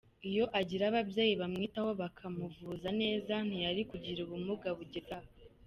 Iyo agira ababyeyi bamwitaho bakamuvuza neza ntiyari kugira ubumuga bugeze aha”.